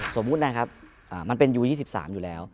สมมุตินะครับมันเป็นยู๒๓อยู่แล้ว